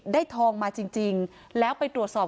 ทองมาจริงแล้วไปตรวจสอบ